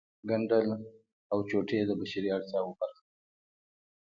ګنډل او چوټې د بشري اړتیاوو برخه ده